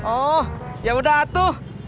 oh yaudah atuh